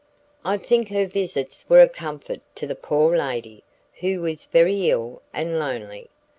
I think her visits were a comfort to the poor lady, who was very ill and lonely.